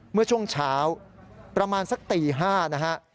เมื่อช่วงเช้าประมาณสักตี๕นะฮะ